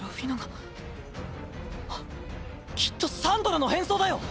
はっきっとサンドラの変装だよ。